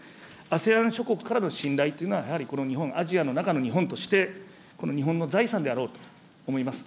アセアン諸国からの信頼というのは、やはりこの日本、アジアの中の日本として、この日本の財産であろうと思います。